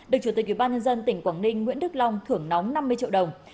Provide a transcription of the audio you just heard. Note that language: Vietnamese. được chủ tịch ubnd tỉnh quảng ninh nguyễn đức long thưởng nóng năm mươi triệu đồng